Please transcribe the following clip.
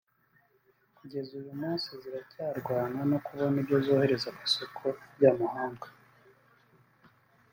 kugeza uyu munsi ziracyarwana no kubona ibyo zohereza ku isoko ry’amahanga